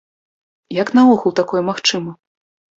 Як наогул такое магчыма?